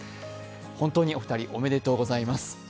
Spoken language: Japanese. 本当にお二人おめでとうございます。